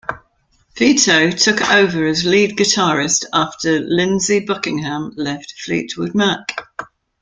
Vito took over as lead guitarist after Lindsey Buckingham left Fleetwood Mac.